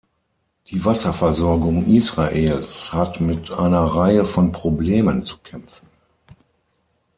Die Wasserversorgung Israels hat mit einer Reihe von Problemen zu kämpfen.